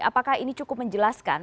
apakah ini cukup menjelaskan